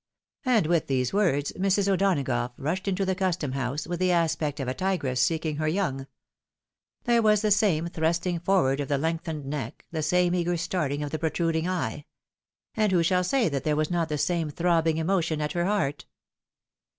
" And with these words, Mrs. O'Donagough rushed into the Custom house, with the aspect of a tigress seeking her young. There was the same thrusting forward of the lengthened neck — the same eager starting of the protruding eye. And who shall say that there was not the same throbbing emotion at her heart